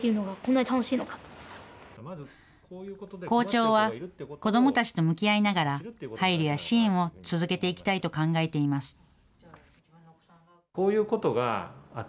校長は、子どもたちと向き合いながら、配慮や支援を続けていきたいと考えています。